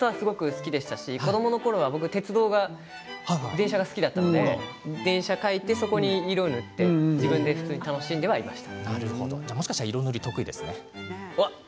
ただ絵を描くことは好きでしたし子どものころ鉄道が電車が好きだったので電車を描いてそこに色を塗ってはいました。